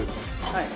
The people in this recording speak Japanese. はい。